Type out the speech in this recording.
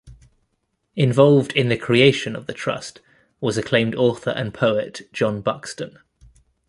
Involved in the creation of the trust was acclaimed author and poet John Buxton.